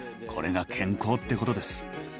これが健康ってことです。